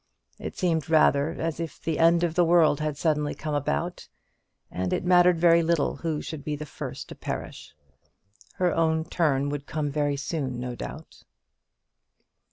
It seemed rather as if the end of the world had suddenly come about; and it mattered very little who should be the first to perish. Her own turn would come very soon, no doubt.